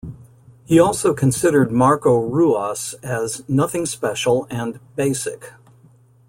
He also considered Marco Ruas as "nothing special" and "basic".